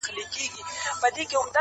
ستا په سترگو کي دي يو عالم خبرې~